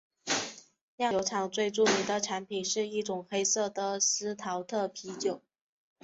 酿酒厂最著名的产品是一种黑色的司陶特啤酒。